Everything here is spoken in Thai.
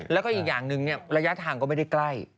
แล้วก็อีกอย่างหนึ่งระยะทางก็ไม่ได้ใกล้